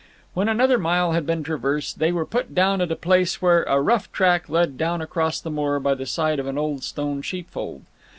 When another mile had been traversed, they were put down at a place where a rough track led down across the moor by the side of an old stone sheepfold.